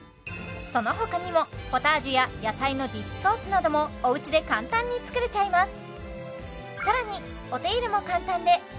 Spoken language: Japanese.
その他にもポタージュや野菜のディップソースなどもおうちで簡単に作れちゃいます